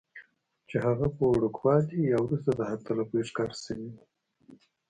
چې هغه پۀ وړوکوالي يا وروستو د حق تلفۍ ښکار شوي وي